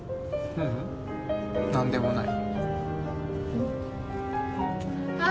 ううん何でもないあ